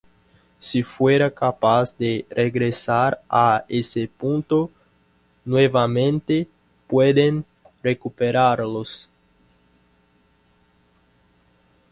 Si fuera capaz de regresar a ese punto nuevamente, pueden recuperarlos.